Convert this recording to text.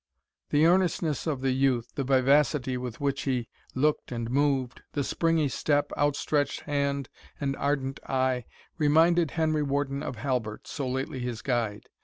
The earnestness of the youth the vivacity with which he looked and moved the springy step, outstretched hand, and ardent eye, reminded Henry Warden of Halbert, so lately his guide.